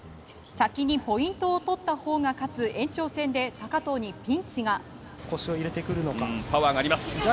先にポイントを取ったほうが勝つ延長戦で高藤にピンチが。